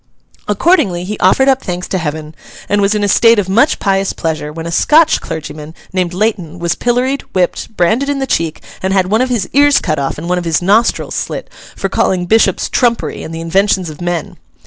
Accordingly, he offered up thanks to Heaven, and was in a state of much pious pleasure, when a Scotch clergyman, named Leighton, was pilloried, whipped, branded in the cheek, and had one of his ears cut off and one of his nostrils slit, for calling bishops trumpery and the inventions of men.